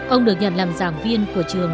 ông được nhận làm giảng viên của trường